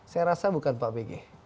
saya rasa bukan pak bg